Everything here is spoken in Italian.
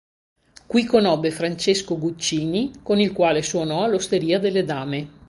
Qui conobbe Francesco Guccini, con il quale suonò all"'Osteria delle Dame".